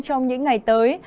trong những ngày tới